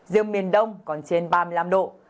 riêng miền đông còn trên ba mươi năm độ